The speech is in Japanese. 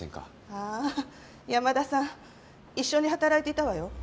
ああ山田さん一緒に働いていたわよ。